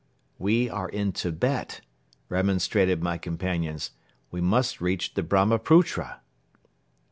"We are in Tibet," remonstrated my companions. "We must reach the Brahmaputra."